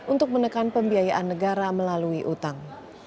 untuk menekan pembiayaan negara melalui utang